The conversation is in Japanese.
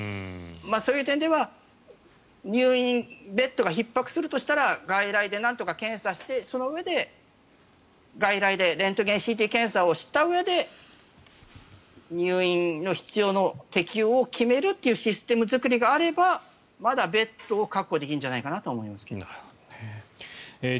そういう点では入院ベッドがひっ迫するとしたら外来でなんとか検査してそのうえで外来でレントゲンＣＴ検査をしたうえで入院の必要の適用を決めるというシステム作りがあればまだベッドを確保できるんじゃないかと思いますが。